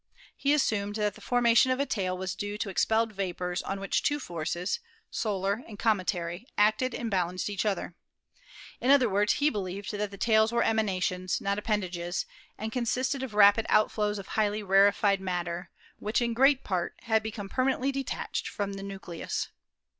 He assumed that the formation of a tail was due to expelled vapors on which two forces, solar and cometary, acted and balanced each other. In Fig. 35 — Bredichin's Theory of Comets' Tails. other words, he believed that the tails were emanations, not appendages, and consisted of rapid outflows of highly rarefied matter which, in great part, had become perma nently detached from the nucleus.